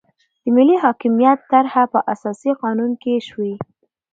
د ملي حاکمیت طرحه په اساسي قانون کې شوې.